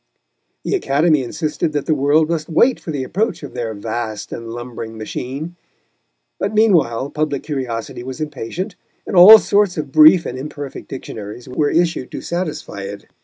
The Academy insisted that the world must wait for the approach of their vast and lumbering machine; but meanwhile public curiosity was impatient, and all sorts of brief and imperfect dictionaries were issued to satisfy it.